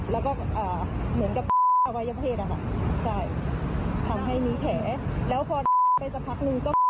แล้วก็มาเสื้อน้องอีกมือนึง